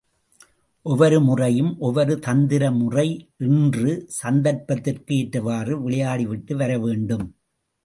ஒவ்வொரு முறையும் ஒவ்வொரு தந்திர முறை என்று சந்தர்ப்பத்திற்கு ஏற்றவாறு விளையாடிவிட்டு வர வேண்டும்.